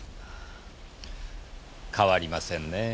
変わりませんねえ